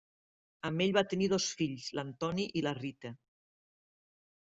Amb ell va tenir dos fills: l'Antoni i la Rita.